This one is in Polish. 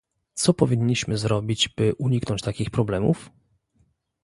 Co powinniśmy zrobić, by uniknąć takich problemów?